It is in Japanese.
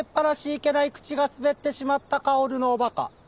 いけない口が滑ってしまった薫のお馬鹿。